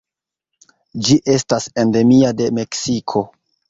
Ĝi estas endemia de Meksiko.